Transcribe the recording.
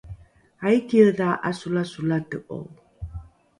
aikiedha ’asolasolate’o?